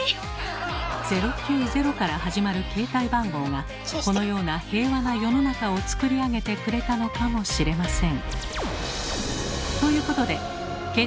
「０９０」から始まる携帯番号がこのような平和な世の中をつくり上げてくれたのかもしれません。